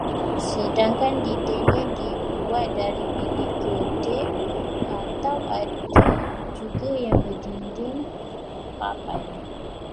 Sedangkan dindingnya dibuat dari bilik gedek atau ada juga yang berdinding papan